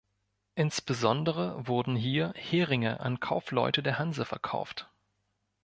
Insbesondere wurden hier Heringe an Kaufleute der Hanse verkauft.